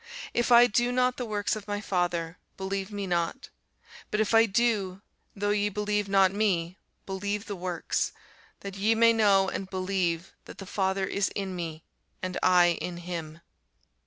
If I do not the works of my Father, believe me not. But if I do, though ye believe not me, believe the works: that ye may know, and believe, that the Father is in me, and I in him.